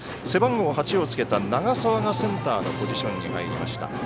背番号８をつけた長澤がセンターのポジションに入りました。